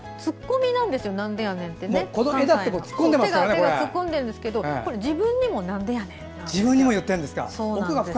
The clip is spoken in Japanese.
手が突っ込んでるんですけど自分にもなんでやねんと。